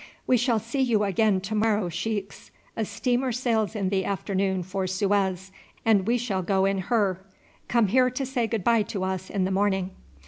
"We shall see you again to morrow, sheiks. A steamer sails in the afternoon for Suez, and we shall go in her. Come here to say good bye to us in the morning."